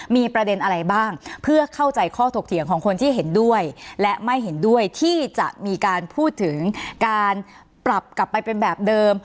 มีประเด็นอะไรบ้างเพื่อเข้าใจข้อถกเถียงของคนที่เห็นด้วยและไม่เห็นด้วยที่จะมีการพูดถึงการปรับกลับไปเป็นแบบเดิม